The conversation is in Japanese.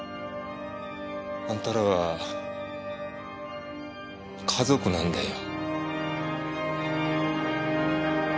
あんたらは家族なんだよ。